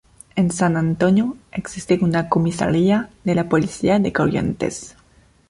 En San Antonio existe una comisaría de la Policía de Corrientes.